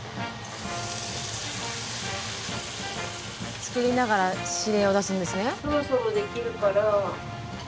作りながら指令を出すんですね。